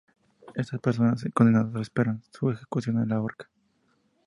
Estas personas condenadas esperan su ejecución en la horca.